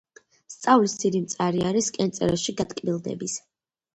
სწავლის ძირი მწარე არის კენწეროში გატკბილდების